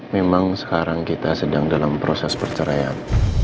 memang sekarang kita sedang dalam proses perceraian